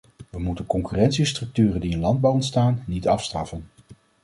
We moeten concurrentiestructuren die in de landbouw ontstaan, niet afstraffen.